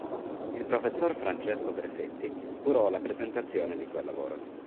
Il professor Francesco Perfetti curò la presentazione di quel lavoro.